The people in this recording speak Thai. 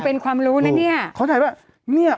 เป็นความรู้นะเนี่ย